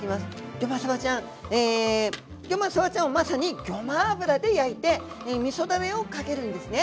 ギョまさばちゃんえギョまさばちゃんをまさにギョマ油で焼いてみそだれをかけるんですね。